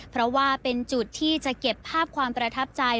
เพราะว่าเป็นจุดที่จะเก็บภาพความประทับใจ